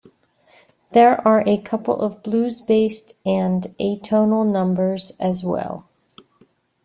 There are a couple of blues-based and atonal numbers as well.